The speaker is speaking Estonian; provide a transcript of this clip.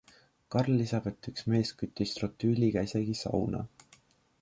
Karl lisab, et üks mees küttis trotüüliga isegi sauna.